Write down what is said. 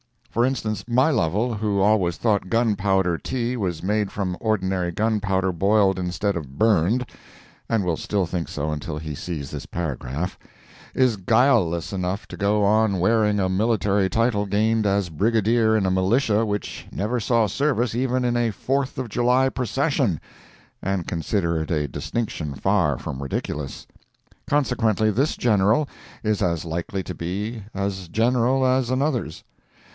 For instance, my Lovel, who always thought gunpowder tea was made from ordinary gunpowder boiled instead of burned (and will still think so until he sees this paragraph), is guileless enough to go on wearing a military title gained as Brigadier in a militia which never saw service even in a Fourth of July procession, and consider it a distinction far from ridiculous. Consequently this general is as likely to be as general as another's.